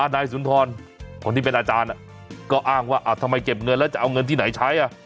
นายสุนทรคนที่เป็นอาจารย์ก็อ้างว่าทำไมเก็บเงินแล้วจะเอาเงินที่ไหนใช้